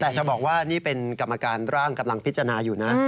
แต่จะบอกว่านี่เป็นกรรมการร่างกำลังพิจารณาอยู่นะ